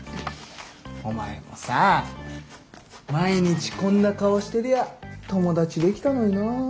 お前もさ毎日こんな顔してりゃ友達できたのにな。